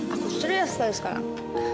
aku ceria sekali sekarang